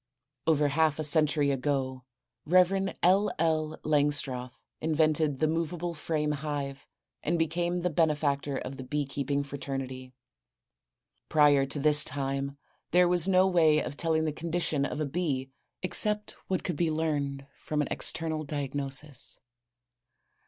Over half a century ago, Rev. L. L. Langstroth invented the movable frame hive and became the benefactor of the bee keeping fraternity. Prior to this time there was no way of telling the condition of a bee except what could be learned from an external diagnosis.